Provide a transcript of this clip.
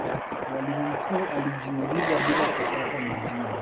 mwalimu mkuu alijiuliza bila kupata majibu